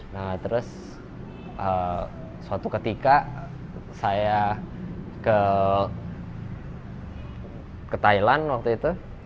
nah terus suatu ketika saya ke thailand waktu itu